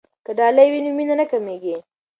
که ډالۍ وي نو مینه نه کمېږي.